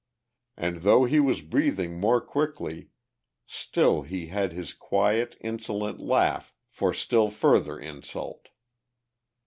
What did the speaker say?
And though he was breathing more quickly still he had his quiet insolent laugh for still further insult.